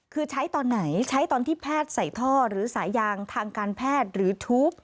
คือใช้ตอนไหนใช้ตอนที่แพทย์ใส่ท่อหรือสายยางทางการแพทย์หรือทูป